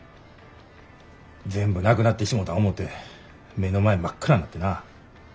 全部なくなってしもた思て目の前真っ暗になってな。